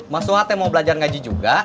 mas suwate mau belajar ngaji juga